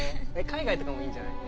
海外とかもいいんじゃない？